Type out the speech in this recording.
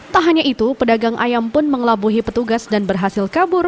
tak hanya itu pedagang ayam pun mengelabuhi petugas dan berhasil kabur